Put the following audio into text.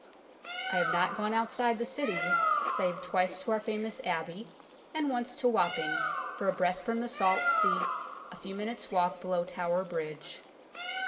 I have not gone out side the City save twice to our famous Abbey and once to Wapping, for a breath from the salt sea, a few minutes walk below Tower Bridge.